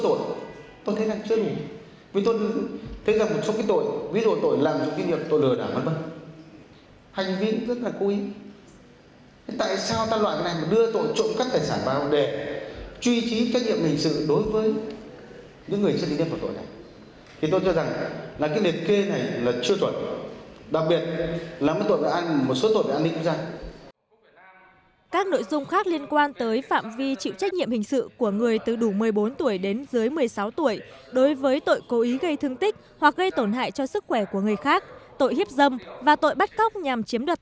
đối với phạm vi chịu trách nhiệm hình sự của người từ đủ một mươi bốn tuổi đến dưới một mươi sáu tuổi đối với tội cố ý gây thương tích hoặc gây tổn hại cho sức khỏe của người khác tội hiếp dâm và tội bắt cóc nhằm chiếm được tài sản cách tính tỷ lệ tổn thương cơ thể trong bộ luật hình sự quy định xác định hàm lượng chất ma túy để quy ra khối lượng hoặc thể tích đã được các đại biểu cho ý kiến tại cuộc hội thảo qua đó góp phần hoàn thiện dự thảo bộ luật trình quốc hội xem xét